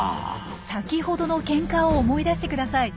先ほどのケンカを思い出してください。